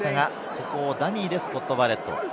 そこをダミーでスコット・バレット。